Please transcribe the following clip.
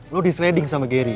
lo disledding sama geri